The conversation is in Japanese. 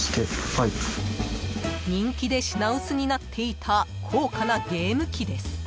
［人気で品薄になっていた高価なゲーム機です］